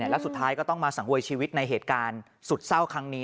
แล้วสุดท้ายก็ต้องมาสังเวยชีวิตในเหตุการณ์สุดเศร้าครั้งนี้